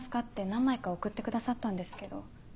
何枚か送ってくださったんですけど。